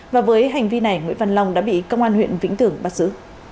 và với hành vi này nguyễn văn long đã bị công an huyện vĩnh tường bắt giữ